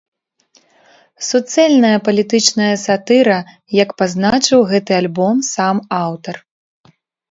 Суцэльная палітычная сатыра, як пазначыў гэты альбом сам аўтар.